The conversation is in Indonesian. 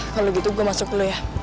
kalau gitu gue masuk lu ya